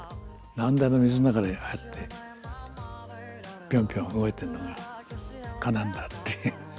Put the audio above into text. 何であの水の中でああやってピョンピョン動いてるのが蚊なんだっていう。